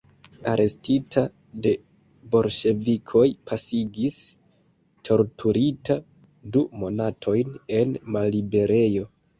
Arestita de bolŝevikoj pasigis, torturita, du monatojn en malliberejo.